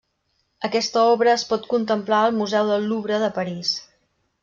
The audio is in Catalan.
Aquesta obra es pot contemplar al Museu del Louvre de París.